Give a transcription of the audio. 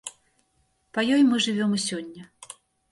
Па ёй мы жывём і сёння.